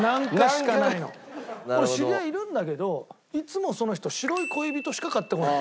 俺知り合いいるんだけどいつもその人白い恋人しか買ってこない。